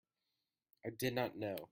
I did not know.